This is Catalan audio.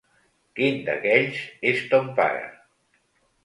Quin d'aquells és ton pare?